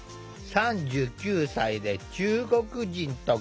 ３９歳で中国人と結婚。